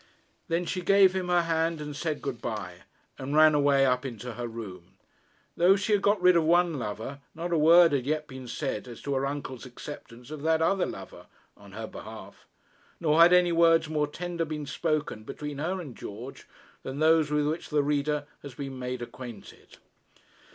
Then she gave him her hand, and said good bye, and ran away up into her room. Though she had got rid of one lover, not a word had yet been said as to her uncle's acceptance of that other lover on her behalf; nor had any words more tender been spoken between her and George than those with which the reader has been made acquainted.